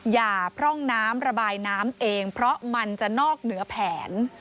อย่าพร่องน้ำระบายน้ำเองเพราะมันจะนอกเหนือแผน